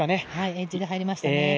エッジに入りましたね。